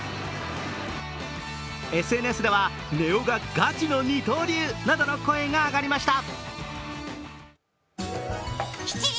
ＳＮＳでは根尾がガチの二刀流などの声が上がりました。